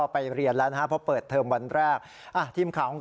ไปเรียนแล้วนะฮะเพราะเปิดเทอมวันแรกอ่ะทีมข่าวของ